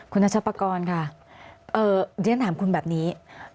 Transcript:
คุณนัชปกรณ์ค่ะเรียนถามคุณแบบนี้